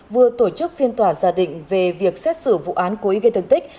vừa tổ chức phiên tòa gia đình về việc xét xử vụ án cố ý gây tương tích